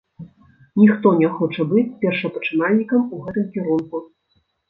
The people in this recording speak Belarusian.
Ніхто не хоча быць першапачынальнікам у гэтым кірунку.